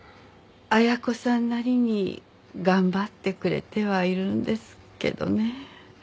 亜矢子さんなりに頑張ってくれてはいるんですけどね。